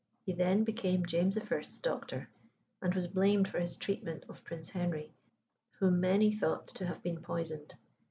He then became James I.'s doctor, and was blamed for his treatment of Prince Henry, whom many thought to have been poisoned.